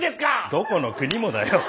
どこの国もだよ！